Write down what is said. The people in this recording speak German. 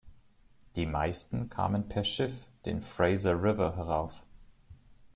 Die meisten kamen per Schiff den Fraser River herauf.